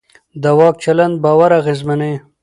د واک چلند باور اغېزمنوي